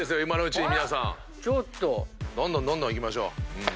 今のうちに皆さん。どんどんどんどんいきましょう。